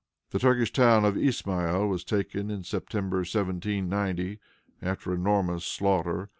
The Turkish town of Ismael was taken in September, 1790, after enormous slaughter.